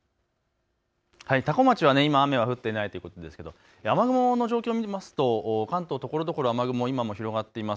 多古町は今雨は降ってないということですけど雨雲の状況を見ますと関東ところどころ雨雲、今も広がっています。